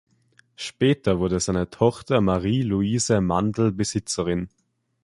Später wurde seine Tochter Marie-Louise Mandl Besitzerin.